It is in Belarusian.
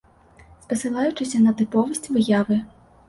Спасылаючыся на тыповасць выявы.